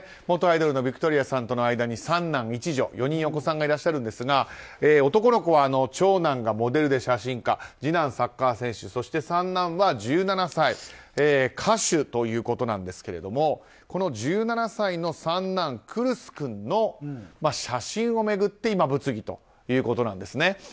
元アイドルのビクトリアさんとの間に３男１女４人お子さんがいらっしゃるんですが男の子は長男がモデルで写真家次男、サッカー選手三男は１７歳、歌手ということなんですが１７歳の三男クルス君の写真を巡って今物議ということなんです。